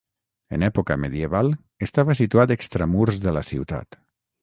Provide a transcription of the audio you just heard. En època medieval estava situat extramurs de la ciutat.